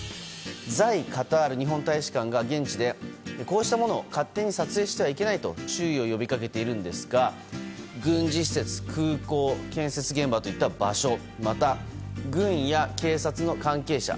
在カタール日本大使館が現地でこうしたものを勝手に撮影してはいけないと注意を呼びかけているんですが軍事施設、空港建設現場といった場所また、軍や警察の関係者